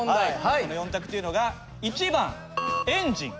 その４択っていうのが１番エンジン。